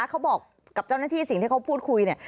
เขาบอกกับเจ้าหน้าที่สิ่งที่เขาพูดคุยเนี่ย